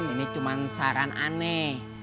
ini cuman saran aneh